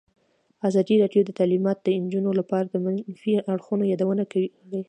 ازادي راډیو د تعلیمات د نجونو لپاره د منفي اړخونو یادونه کړې.